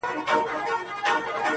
باندي شعرونه ليكم.